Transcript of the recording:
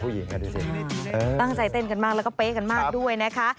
ผู้หญิงค่ะดูสิเออตั้งใจเต้นกันมากแล้วก็เพสก์กันมากด้วยนะคะ